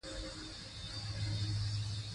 طلا د افغانستان د اقتصادي ودې لپاره ارزښت لري.